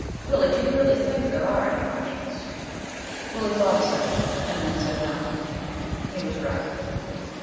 Willie, do you really think there are any Martians?" Willie thought a second and then said, "No." He was right.